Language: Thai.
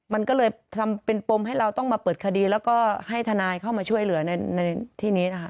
มันก็เลยทำเป็นปมให้เราต้องมาเปิดคดีแล้วก็ให้ทนายเข้ามาช่วยเหลือในที่นี้นะคะ